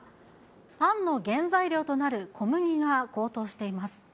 パンの原材料となる小麦が高騰しています。